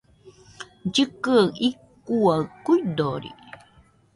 Llɨkɨaɨ icuaɨ kuidori